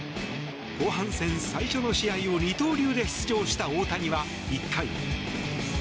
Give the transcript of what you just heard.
後半戦最初の試合を二刀流で出場した大谷は１回。